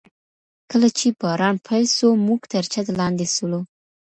کله چي باران پیل سو، موږ تر چت لاندي سولو.